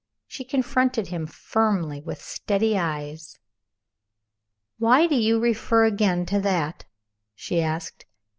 She confronted him firmly with steady eyes. "Why do you refer again to that?" she asked.